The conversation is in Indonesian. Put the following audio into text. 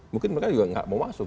mungkin mereka juga nggak mau masuk